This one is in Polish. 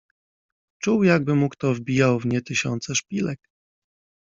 Czuł jakby mu kto wbijał w nie tysiące szpilek.